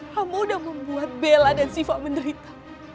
kamu udah membuat bella dan siva menderita